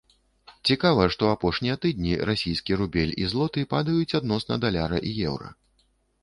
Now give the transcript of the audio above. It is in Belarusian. Цікава, што апошнія тыдні расійскі рубель і злоты падаюць адносна даляра і еўра.